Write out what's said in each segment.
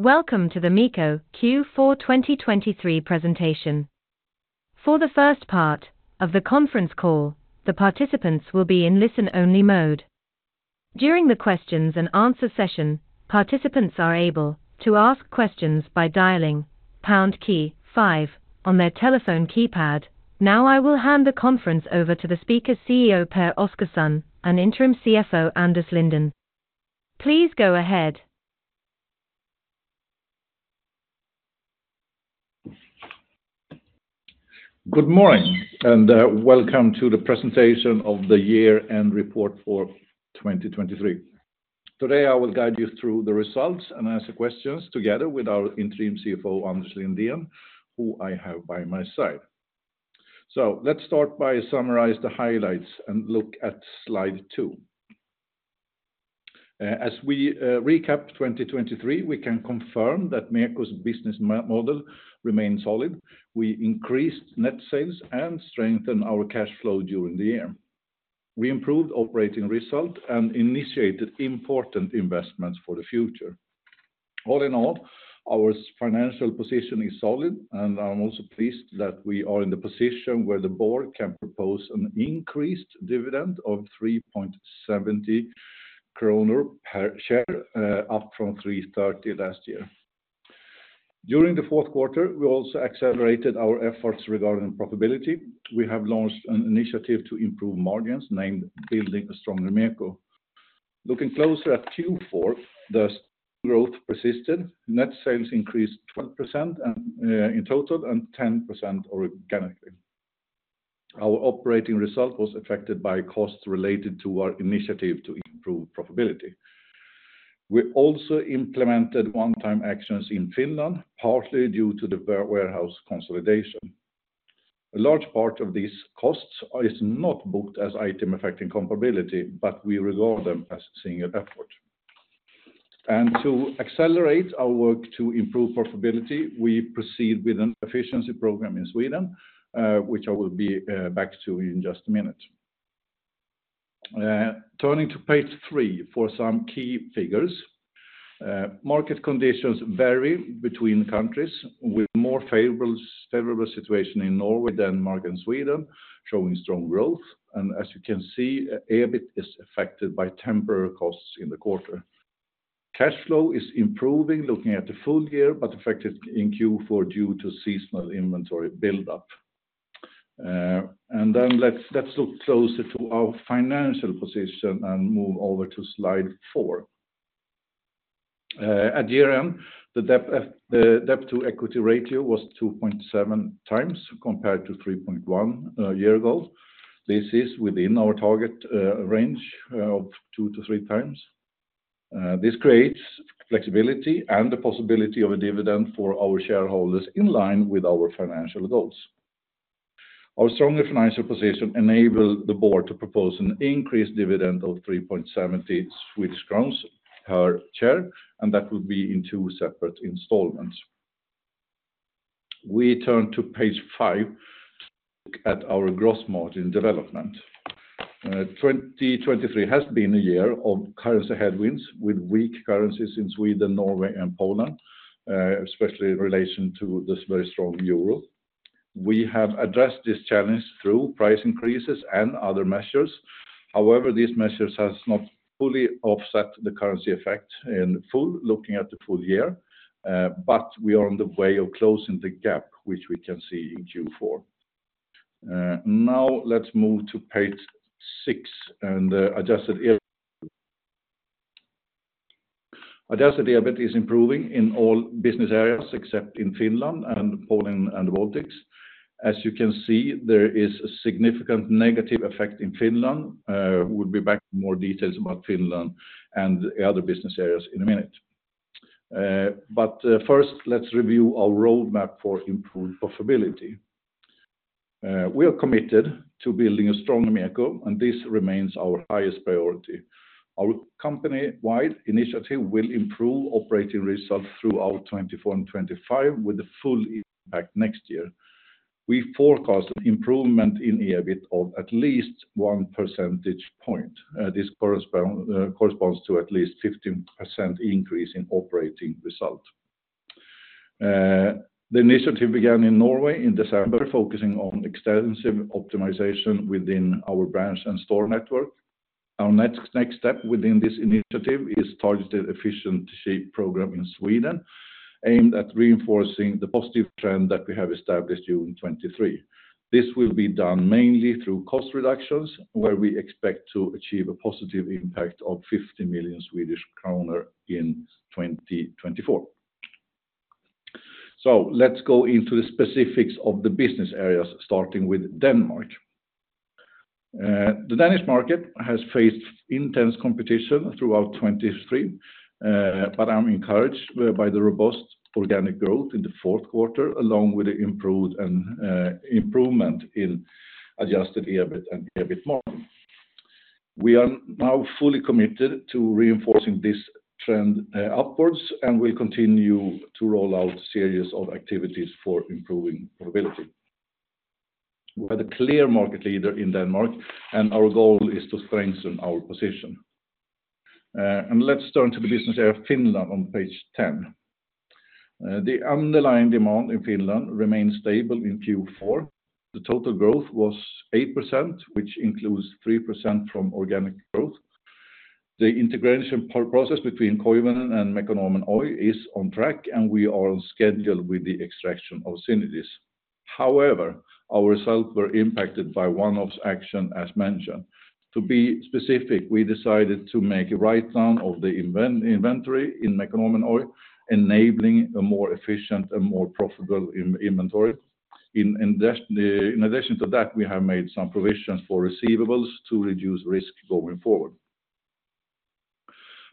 Welcome to the MEKO Q4 2023 presentation. For the first part of the conference call, the participants will be in listen-only mode. During the questions-and-answers session, participants are able to ask questions by dialing pound key five on their telephone keypad. Now I will hand the conference over to the speakers CEO Pehr Oscarson and interim CFO Anders Lindén. Please go ahead. Good morning and welcome to the presentation of the year-end report for 2023. Today I will guide you through the results and answer questions together with our Interim CFO Anders Lindén, who I have by my side. Let's start by summarizing the highlights and look at slide two. As we recap 2023, we can confirm that MEKO's business model remains solid. We increased net sales and strengthened our cash flow during the year. We improved operating results and initiated important investments for the future. All in all, our financial position is solid, and I'm also pleased that we are in the position where the Board can propose an increased dividend of 3.70 kronor per share, up from 3.30 last year. During the fourth quarter, we also accelerated our efforts regarding profitability. We have launched an initiative to improve margins named Building a Stronger MEKO. Looking closer at Q4, the growth persisted. Net sales increased 12% in total and 10% organically. Our operating result was affected by costs related to our initiative to improve profitability. We also implemented one-time actions in Finland, partly due to the warehouse consolidation. A large part of these costs is not booked as items affecting comparability, but we regard them as a single effort. To accelerate our work to improve profitability, we proceed with an efficiency program in Sweden, which I will be back to in just a minute. Turning to page three for some key figures. Market conditions vary between countries, with a more favorable situation in Norway than in Sweden, showing strong growth. As you can see, EBIT is affected by temporary costs in the quarter. Cash flow is improving looking at the full year, but affected in Q4 due to seasonal inventory buildup. Then let's look closer to our financial position and move over to slide four. At year-end, the debt-to-equity ratio was 2.7x compared to 3.1x a year ago. This is within our target range of 2x-3x. This creates flexibility and the possibility of a dividend for our shareholders in line with our financial goals. Our stronger financial position enables the board to propose an increased dividend of 3.70 Swedish crowns per share, and that will be in two separate installments. We turn to page five to look at our gross margin development. 2023 has been a year of currency headwinds with weak currencies in Sweden, Norway, and Poland, especially in relation to this very strong euro. We have addressed this challenge through price increases and other measures. However, these measures have not fully offset the currency effect in full, looking at the full year. We are on the way of closing the gap, which we can see in Q4. Now let's move to page six and the adjusted EBIT. Adjusted EBIT is improving in all business areas except in Finland and Poland and the Baltics. As you can see, there is a significant negative effect in Finland. We'll be back with more details about Finland and the other business areas in a minute. But first, let's review our roadmap for improved profitability. We are committed to building a stronger MEKO, and this remains our highest priority. Our company-wide initiative will improve operating results throughout 2024 and 2025 with the full impact next year. We forecast an improvement in EBIT of at least 1 percentage point. This corresponds to at least a 15% increase in operating result. The initiative began in Norway in December, focusing on extensive optimization within our branch and store network. Our next step within this initiative is a targeted efficiency program in Sweden aimed at reinforcing the positive trend that we have established in June 2023. This will be done mainly through cost reductions, where we expect to achieve a positive impact of 50 million Swedish kronor in 2024. So let's go into the specifics of the business areas, starting with Denmark. The Danish market has faced intense competition throughout 2023, but I'm encouraged by the robust organic growth in the fourth quarter, along with the improvement in adjusted EBIT and EBIT margin. We are now fully committed to reinforcing this trend upwards and will continue to roll out a series of activities for improving profitability. We're the clear market leader in Denmark, and our goal is to strengthen our position. Let's turn to the business area of Finland on page 10. The underlying demand in Finland remains stable in Q4. The total growth was 8%, which includes 3% from organic growth. The integration process between Koivunen and Mekonomen Oy is on track, and we are on schedule with the extraction of synergies. However, our results were impacted by one-off action as mentioned. To be specific, we decided to make a write-down of the inventory in Mekonomen Oy, enabling a more efficient and more profitable inventory. In addition to that, we have made some provisions for receivables to reduce risk going forward.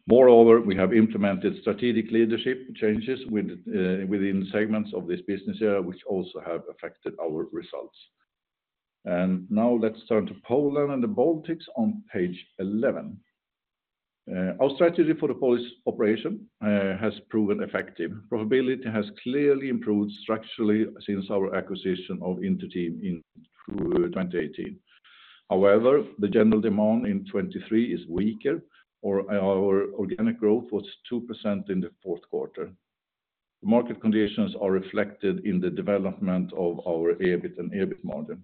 Moreover, we have implemented strategic leadership changes within segments of this business area, which also have affected our results. And now let's turn to Poland and the Baltics on page 11. Our strategy for the Polish operation has proven effective. Profitability has clearly improved structurally since our acquisition of Inter-Team in 2018. However, the general demand in 2023 is weaker, or our organic growth was 2% in the fourth quarter. Market conditions are reflected in the development of our EBIT and EBIT margin.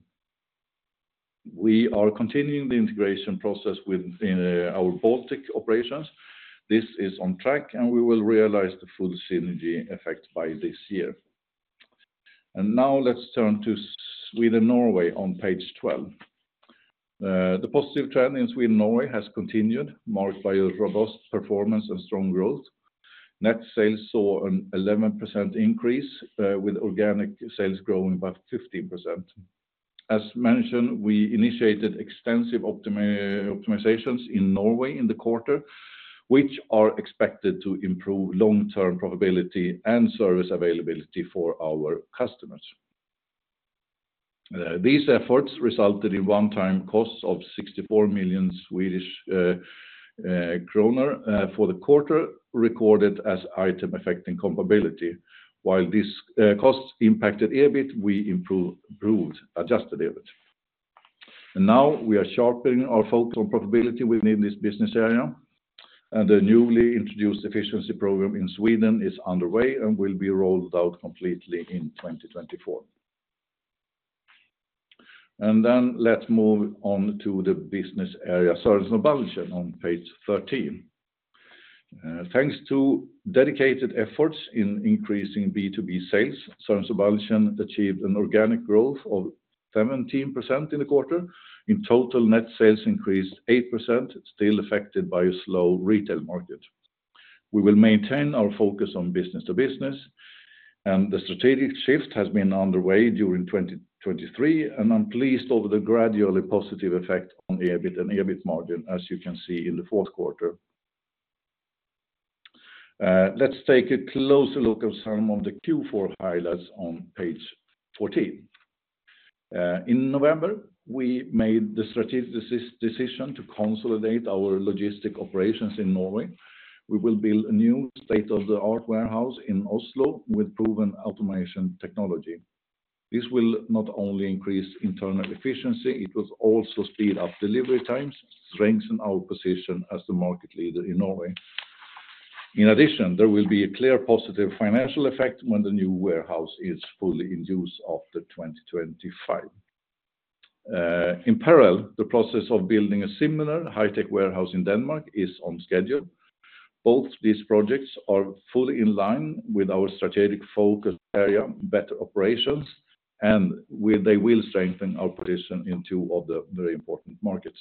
We are continuing the integration process within our Baltic operations. This is on track, and we will realize the full synergy effect by this year. Now let's turn to Sweden-Norway on page 12. The positive trend in Sweden-Norway has continued, marked by a robust performance and strong growth. Net sales saw an 11% increase, with organic sales growing by 15%. As mentioned, we initiated extensive optimizations in Norway in the quarter, which are expected to improve long-term profitability and service availability for our customers. These efforts resulted in one-time costs of 64 million Swedish kronor for the quarter, recorded as items affecting comparability. While these costs impacted EBIT, we improved adjusted EBIT. Now we are sharpening our focus on profitability within this business area. The newly introduced efficiency program in Sweden is underway and will be rolled out completely in 2024. Then let's move on to the business area Sørensen og Balchen on page 13. Thanks to dedicated efforts in increasing B2B sales, Sørensen og Balchen achieved an organic growth of 17% in the quarter. In total, net sales increased 8%, still affected by a slow retail market. We will maintain our focus on business-to-business. The strategic shift has been underway during 2023, and I'm pleased over the gradually positive effect on EBIT and EBIT margin, as you can see in the fourth quarter. Let's take a closer look at some of the Q4 highlights on page 14. In November, we made the strategic decision to consolidate our logistics operations in Norway. We will build a new state-of-the-art warehouse in Oslo with proven automation technology. This will not only increase internal efficiency, it will also speed up delivery times, strengthen our position as the market leader in Norway. In addition, there will be a clear positive financial effect when the new warehouse is fully in use after 2025. In parallel, the process of building a similar high-tech warehouse in Denmark is on schedule. Both these projects are fully in line with our strategic focus area, better operations, and they will strengthen our position in two of the very important markets.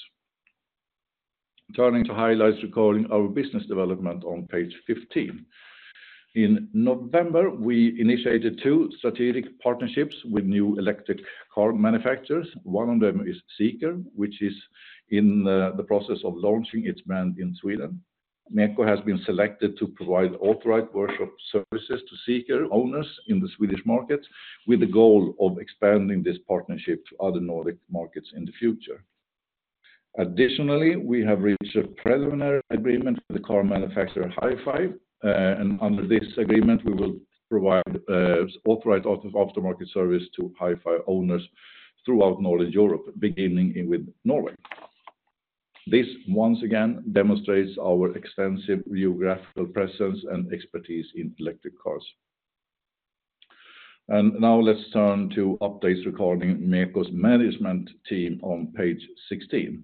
Turning to highlights recording our business development on page 15. In November, we initiated two strategic partnerships with new electric car manufacturers. One of them is Zeekr, which is in the process of launching its brand in Sweden. MEKO has been selected to provide authorized workshop services to Zeekr owners in the Swedish markets, with the goal of expanding this partnership to other Nordic markets in the future. Additionally, we have reached a preliminary agreement with the car manufacturer HiPhi. Under this agreement, we will provide authorized aftermarket service to HiPhi owners throughout Nordic Europe, beginning with Norway. This, once again, demonstrates our extensive geographical presence and expertise in electric cars. Now let's turn to updates regarding MEKO's management team on page 16.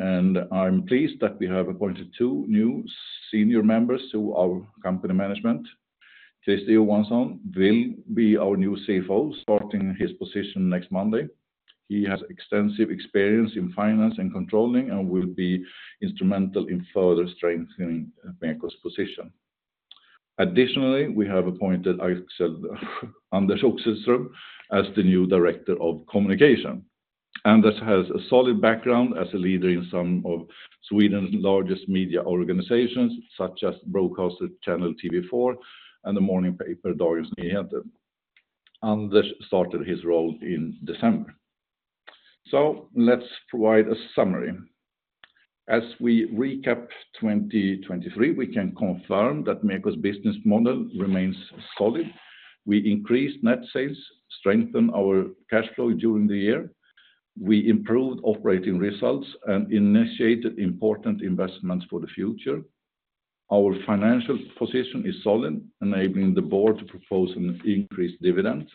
I'm pleased that we have appointed two new senior members to our company management. Christer Johansson will be our new CFO, starting his position next Monday. He has extensive experience in finance and controlling and will be instrumental in further strengthening MEKO's position. Additionally, we have appointed Anders Oxelström as the new Director of Communications. Anders has a solid background as a leader in some of Sweden's largest media organizations, such as broadcaster channel TV4 and the morning paper Dagens Nyheter. Anders started his role in December. Let's provide a summary. As we recap 2023, we can confirm that MEKO's business model remains solid. We increased net sales, strengthened our cash flow during the year. We improved operating results and initiated important investments for the future. Our financial position is solid, enabling the board to propose an increased dividend.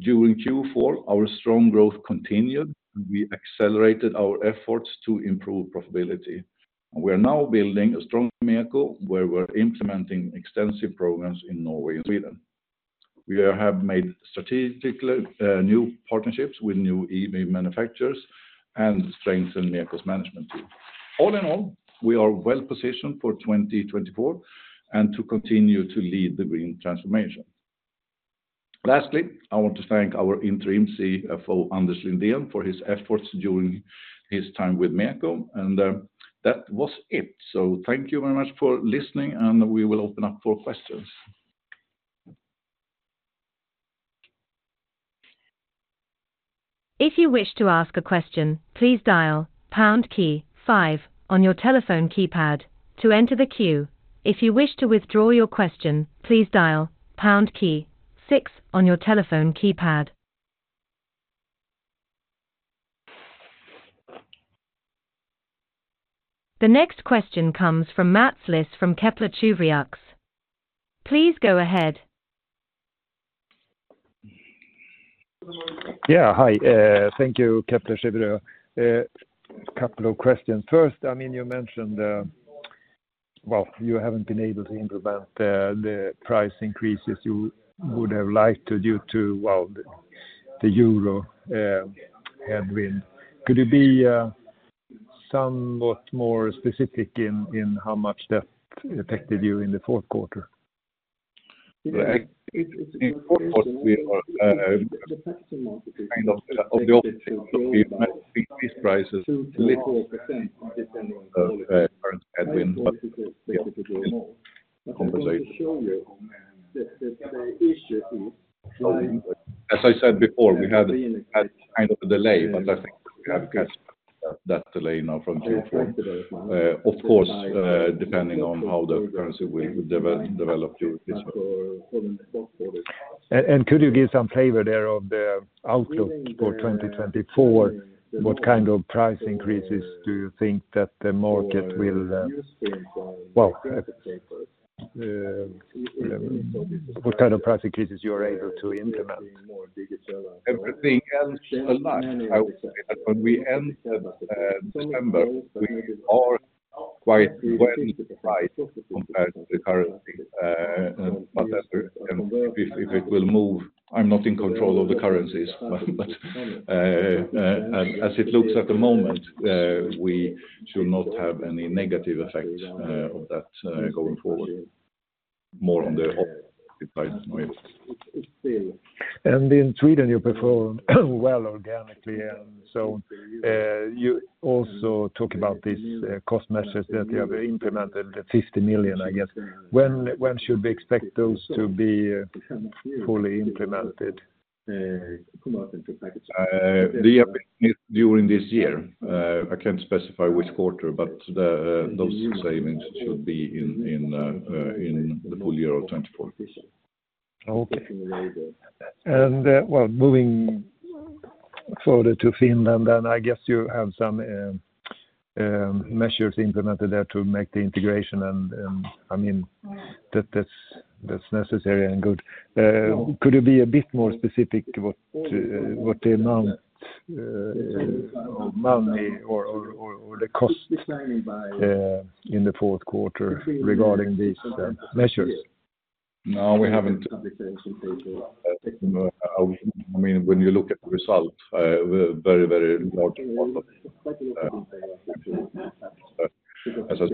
During Q4, our strong growth continued, and we accelerated our efforts to improve profitability. We are now building a strong MEKO, where we're implementing extensive programs in Norway and Sweden. We have made strategic new partnerships with new EV manufacturers and strengthened MEKO's management team. All in all, we are well positioned for 2024 and to continue to lead the green transformation. Lastly, I want to thank our Interim CFO, Anders Lindén, for his efforts during his time with MEKO. That was it. So thank you very much for listening, and we will open up for questions. If you wish to ask a question, please dial pound key five on your telephone keypad to enter the queue. If you wish to withdraw your question, please dial pound key six on your telephone keypad. The next question comes from Mats Liss from Kepler Cheuvreux. Please go ahead. Yeah, hi. Thank you, Kepler Cheuvreux. A couple of questions. First, I mean, you mentioned well, you haven't been able to implement the price increases you would have liked to due to, well, the euro headwind. Could you be somewhat more specific in how much that affected you in the fourth quarter? It's important to be kind of the opposite. We've increased prices a little bit depending on the current headwind, but yeah. As I said before, we had kind of a delay, but I think we have caught up to that delay now from Q4. Of course, depending on how the currency will develop during this month. Could you give some flavor there of the outlook for 2024? What kind of price increases do you think that the market will well, what kind of price increases you are able to implement? Everything else alike, I would say that when we enter September, we are quite well priced compared to the current. But if it will move. I'm not in control of the currencies, but as it looks at the moment, we should not have any negative effect of that going forward. More on the opposite side. In Sweden, you perform well organically. So you also talk about these cost measures that you have implemented, the 50 million, I guess. When should we expect those to be fully implemented? The year is during this year. I can't specify which quarter, but those savings should be in the full year of 2024. Okay. Well, moving further to Finland, then I guess you have some measures implemented there to make the integration. And I mean, that's necessary and good. Could you be a bit more specific what the amount of money or the cost in the fourth quarter regarding these measures? No, we haven't. I mean, when you look at the result, a very, very large part of it. As I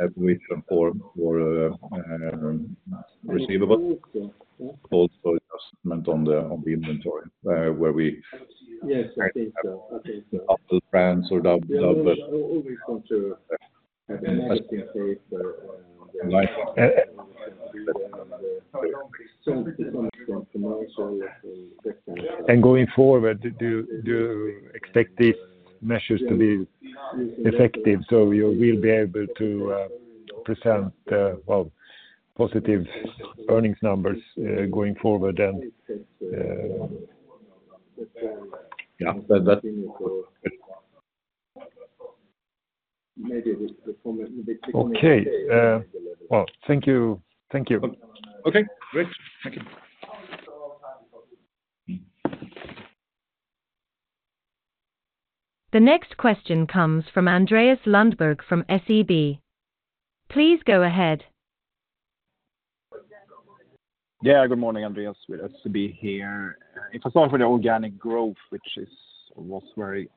said. We can form more receivables. Also adjustment on the inventory, where we brands or double. Going forward, do you expect these measures to be effective so you will be able to present, well, positive earnings numbers going forward then? Yeah. Okay. Well, thank you. Thank you. Okay. Great. Thank you. The next question comes from Andreas Lundberg from SEB. Please go ahead. Yeah, good morning, Andreas with SEB here. If I start with the organic growth, which was very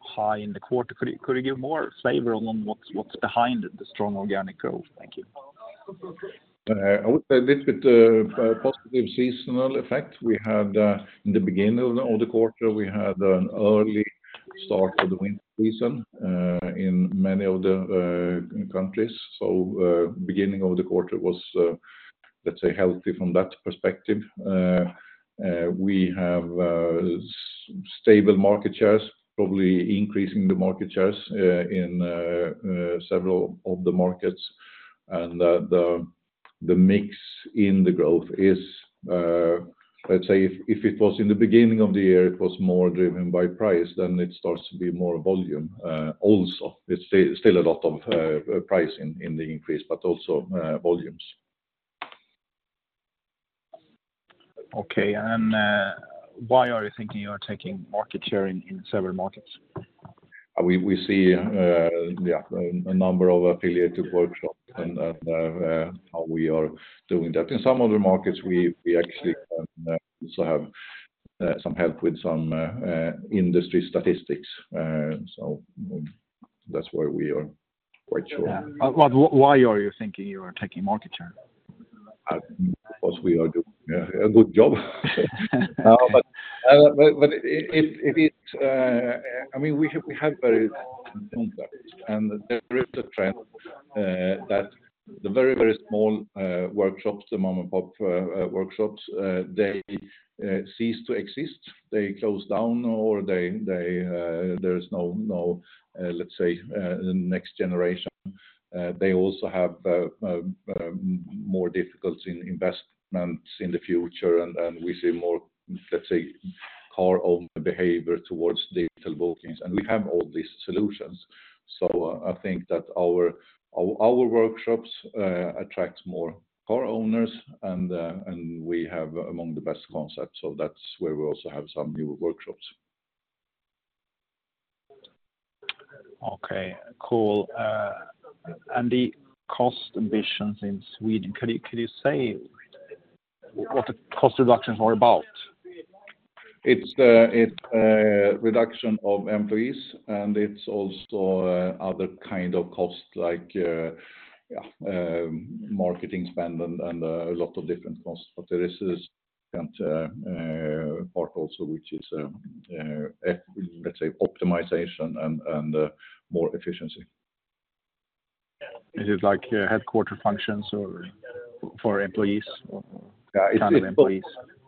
high in the quarter, could you give more flavor on what's behind the strong organic growth? Thank you. I would say a little bit positive seasonal effect. In the beginning of the quarter, we had an early start of the winter season in many of the countries. So beginning of the quarter was, let's say, healthy from that perspective. We have stable market shares, probably increasing the market shares in several of the markets. And the mix in the growth is let's say, if it was in the beginning of the year, it was more driven by price, then it starts to be more volume. Also, it's still a lot of price in the increase, but also volumes. Okay. Why are you thinking you are taking market share in several markets? We see, yeah, a number of affiliated workshops and how we are doing that. In some other markets, we actually also have some help with some industry statistics. So that's why we are quite sure. Why are you thinking you are taking market share? Because we are doing a good job. But it is, I mean, we have very complex. And there is a trend that the very, very small workshops, the mom-and-pop workshops, they cease to exist. They close down or there's no, let's say, next generation. They also have more difficulty in investments in the future. And we see more, let's say, car-owner behavior towards digital bookings. And we have all these solutions. So I think that our workshops attract more car owners. And we have among the best concepts. So that's where we also have some new workshops. Okay. Cool. Andy, the cost ambitions in Sweden, could you say what the cost reductions are about? It's a reduction of employees. It's also other kind of costs, like marketing spend and a lot of different costs. There is this part also, which is, let's say, optimization and more efficiency. Is it like headquarters functions for employees or standard employees?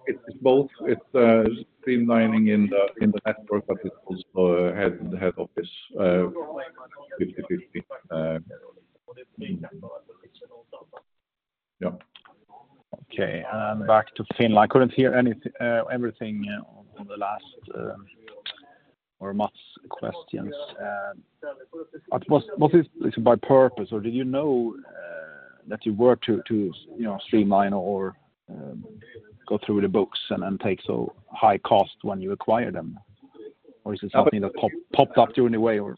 It's both. It's streamlining in the network, but it's also head office, 50/50. Yeah. Okay. Back to Finland. I couldn't hear everything in the last hour or Mats' questions. Was this on purpose, or did you know that you were to streamline or go through the books and take so high cost when you acquired them? Or is it something that popped up along the way, or?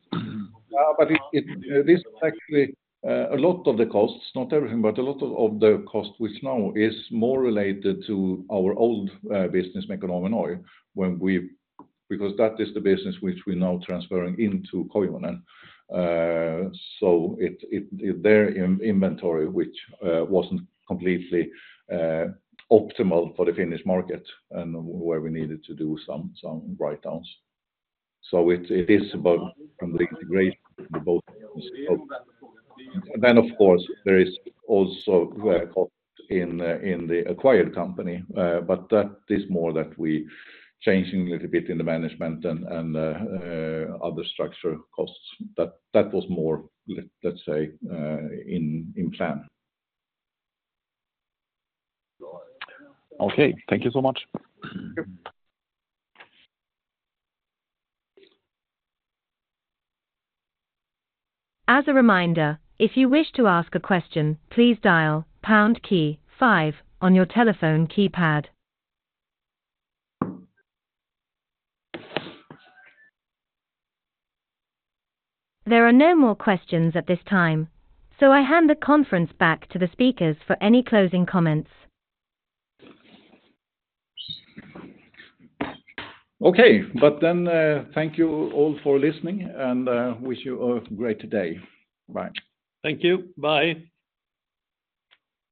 But this is actually a lot of the costs, not everything, but a lot of the cost, which now is more related to our old business, Mekonomen Oy, because that is the business which we're now transferring into Koivunen. So it's their inventory, which wasn't completely optimal for the Finnish market and where we needed to do some write-downs. So it is about the integration of both. Then, of course, there is also cost in the acquired company. But that is more that we're changing a little bit in the management and other structure costs. That was more, let's say, in plan. Okay. Thank you so much. As a reminder, if you wish to ask a question, please dial pound key 5 on your telephone keypad. There are no more questions at this time, so I hand the conference back to the speakers for any closing comments. Okay. But then thank you all for listening and wish you a great day. Bye. Thank you. Bye.